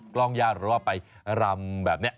กล้องญาติหรือว่าไปรำแบบนี้